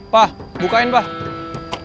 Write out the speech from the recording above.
pak bukain pak